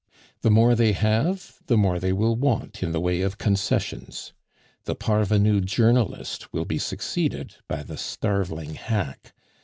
The more they have, the more they will want in the way of concessions. The parvenu journalist will be succeeded by the starveling hack.